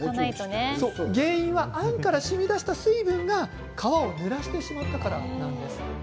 原因はあんからしみ出した水分が皮をぬらしてしまったからなんです。